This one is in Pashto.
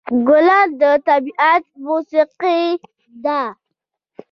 ګلان د طبیعت موسيقي ده.